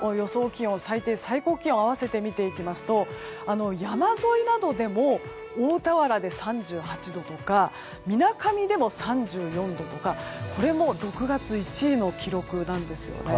気温最低、最高気温を併せて見ると山沿いなどでも大田原で３８度とかみなかみでも３４度とかこれも６月１位の記録なんです。